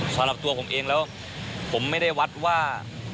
สำหรับตัวผมเองแล้วผมไม่ได้วัดว่า